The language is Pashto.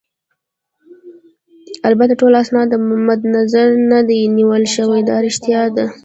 البته ټول اسناد مدنظر نه دي نیول شوي، دا ريښتیا ده.